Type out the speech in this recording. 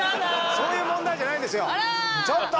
そういう問題じゃないですよ。